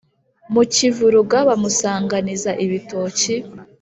mu kivuruga bamusanganiza ibitoki,